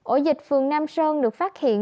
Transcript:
ổ dịch phường nam sơn được phát hiện